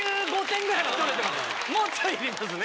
もうちょい勉強ですね。